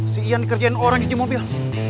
si ian dikerjain orang cuci mobil